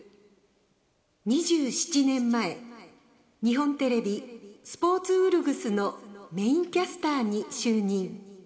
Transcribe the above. ２７年前、日本テレビ「スポーツうるぐす」のメインキャスターに就任。